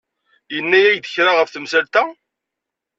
Yenna-yak-d kra ɣef temsalt-a?